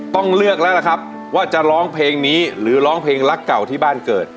ต้องเลือกแล้วล่ะครับว่าจะร้องเพลงนี้หรือร้องเพลงรักเก่าที่บ้านเกิด